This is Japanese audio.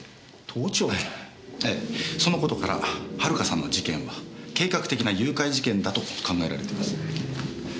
ええその事から遥さんの事件は計画的な誘拐事件だと考えられてます。